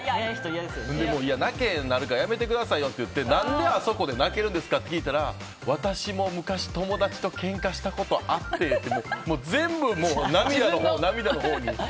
泣けへんようになるからやめてくださいよってなって何であそこで泣けるんですかって聞いたら、私も昔友達とけんかしたことあってってもう、全部涙のほうに涙のほうに。